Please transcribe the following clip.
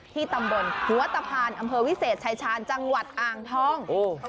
ที่ตำบลหัวตะพานอำเภอวิเศษชายชาญจังหวัดอ่างทอง